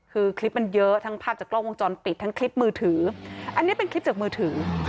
คือคลิปมันเยอะทั้งภาพจากกล้องวงจรปิดทั้งคลิปมือถืออันนี้เป็นคลิปจากมือถือ